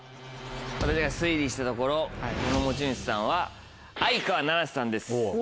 私が推理したところこの持ち主さんは相川七瀬さんです。